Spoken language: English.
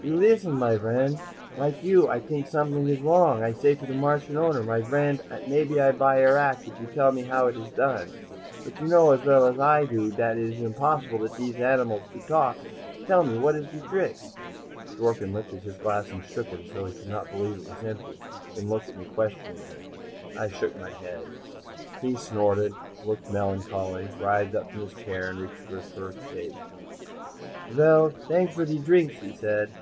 "You listen, my vriend. Like you, I t'ink something is wrong. I say to Martian owner, 'My vriend, maybe I buy your act, if you tell me how it is done. But you know as well as I do dat it is impossible to dese animals to talk. Tell me what is de trick?'" Dworken lifted his glass and shook it, as though he could not believe it was empty, then looked at me questioningly. I shook my head. He snorted, looked melancholy, writhed up from his chair and reached for his fur cape. "Vell, thanks for de drinks," he said.